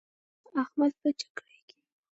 احمد په جنګ کې نرخ مالوم کړ.